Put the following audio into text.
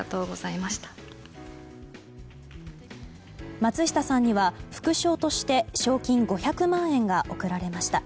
松下さんには副賞として賞金５００万円が贈られました。